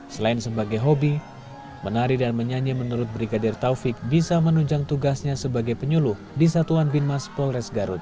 selain sebagai hobi menari dan menyanyi menurut brigadir taufik bisa menunjang tugasnya sebagai penyuluh di satuan bin mas polres garut